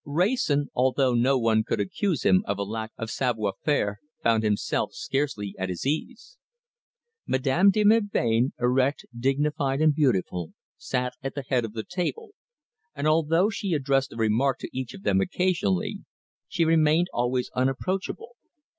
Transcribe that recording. Wrayson, although no one could accuse him of a lack of savoir faire, found himself scarcely at his ease. Madame de Melbain; erect; dignified, and beautiful, sat at the head of the table, and although she addressed a remark to each of them occasionally, she remained always unapproachable.